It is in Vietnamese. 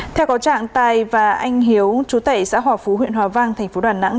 theo có trạng tài và anh hiếu chú tẩy xã hòa phú huyện hòa vang thành phố đà nẵng